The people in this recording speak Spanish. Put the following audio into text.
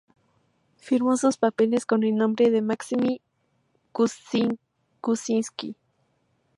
Firmó sus papeles con el nombre de Máxime Kuczynski.